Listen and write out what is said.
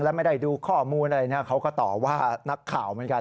แล้วไม่ได้ดูข้อมูลอะไรเนี่ยเขาก็ต่อว่านักข่าวเหมือนกัน